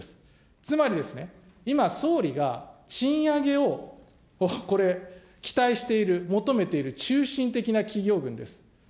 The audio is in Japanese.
つまりですね、今、総理が賃上げをこれ、期待してる、求めている中心的な企業分です。